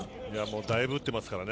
だいぶ打っていますからね